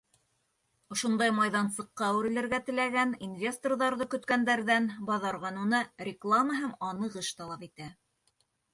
Ошондай майҙансыҡҡа әүерелергә теләгән, инвесторҙарҙы көткәндәрҙән баҙар ҡануны реклама һәм аныҡ эш талап итә.